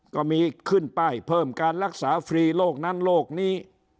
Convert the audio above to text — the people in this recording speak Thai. ก็มีขึ้นไปเพิ่มการรักษาฟรีโลกนั้นโลกนี้